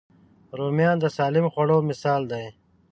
رومیان د سالم خوړو مثال دی